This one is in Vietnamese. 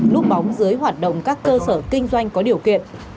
núp bóng dưới hoạt động các cơ sở kinh doanh có điều kiện